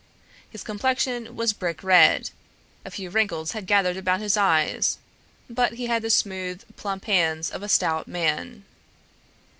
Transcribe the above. His complexion was brick red, a few wrinkles had gathered about his eyes, but he had the smooth, plump hands of a stout man.